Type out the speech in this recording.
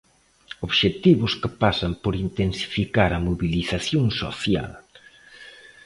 Obxectivos que pasan por intensificar a mobilización social.